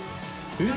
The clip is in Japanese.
えっ？